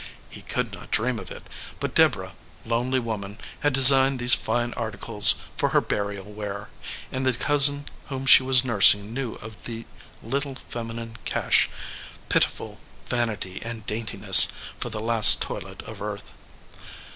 He could not dream of it, but Deborah, lonely woman, had designed these fine articles for her burial wear, and the cousin whom she was nursing knew of tHe little feminine cache, pitiful vanity and daintiness, for the last toilet of earth.